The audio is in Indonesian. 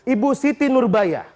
ibu siti nurbaikah